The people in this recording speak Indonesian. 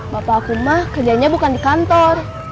bapak aku mah kerjanya bukan di kantor